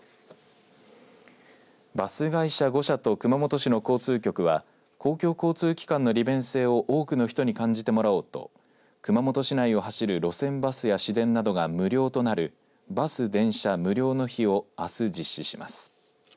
バス会社５社と熊本市の交通局は公共交通機関の利便性を多くの人に感じてもらおうと熊本市内を走る路線バスや市電などが無料となるバス・電車無料の日をあす実施します。